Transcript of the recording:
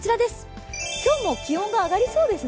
今日も気温が上がりそうですね。